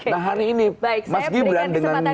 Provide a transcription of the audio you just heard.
nah hari ini mas gibran dengan